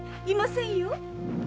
いませんよ。